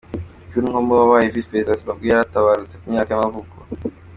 John Nkomo wabaye visi perezida wa Zimbabwe yarataabarutse, ku myaka y’amavuko.